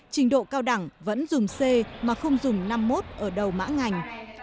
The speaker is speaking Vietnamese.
trình độ cao đẳng vẫn dùng c mà không dùng năm mươi một ở đầu mã ngành